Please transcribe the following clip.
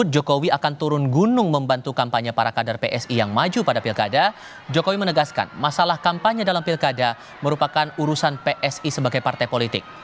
jokowi menegaskan masalah kampanye dalam pilkada merupakan urusan psi sebagai partai politik